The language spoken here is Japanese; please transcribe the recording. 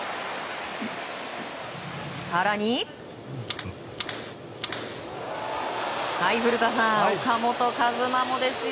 更に古田さん岡本和真もですよ！